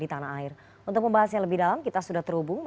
selamat sore pak alphonse